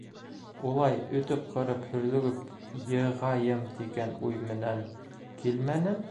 Улай өтөп-ҡырып һөрлөгөп йығайым тигән уй менән килмәнем.